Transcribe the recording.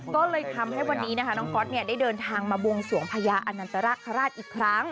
ก็เลยทำให้วันนี้นะคะน้องก๊อตได้เดินทางมาบวงสวงพญาอนันตราคาอีกครั้ง